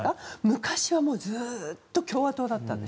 昔はずっと共和党だったんです。